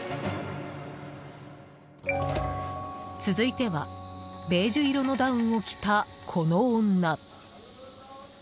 続いてはベージュ色のダウンを着たこの女。